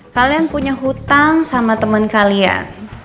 kalian punya hutang sama temen kalian